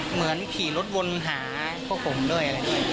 เหมือนขี่รถวนหาพวกผมด้วย